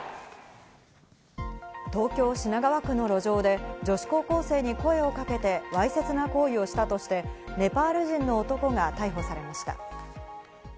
東京・品川区の路上で女子高校生に声をかけて、わいせつな行為をしたとして、ネパール人の男が逮捕されました。